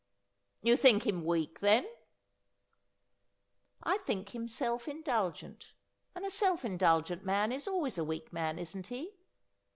' You think him weak, then ?'' I think him self indulgent ; and a self indulgent man is always a weak man, isn't he